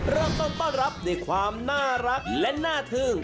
เริ่มต้นต้อนรับด้วยความน่ารักและน่าทึ่ง